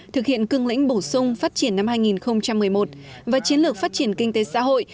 thực hiện cương lĩnh bổ sung phát triển năm hai nghìn một mươi một và chiến lược phát triển kinh tế xã hội